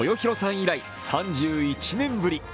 以来３１年ぶり。